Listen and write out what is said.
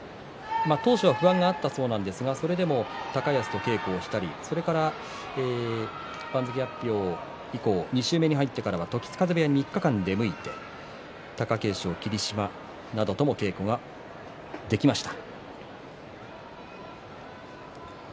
当初は不安があったそうですがそれでも高安と稽古をしたり番付発表以降、２週目に入ってから時津風部屋に３日間行って貴景勝、霧島などとも稽古はできました。